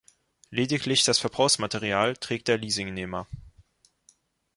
Lediglich das Verbrauchsmaterial trägt der Leasingnehmer.